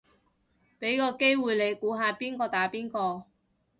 俾個機會你估下邊個打邊個